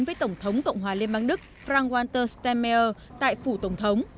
với tổng thống cộng hòa liên bang đức fran walter stemmeier tại phủ tổng thống